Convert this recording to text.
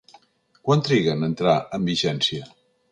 Quant triga en entrar en vigència?